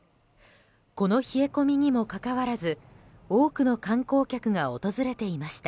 この冷え込みにもかかわらず多くの観光客が訪れていました。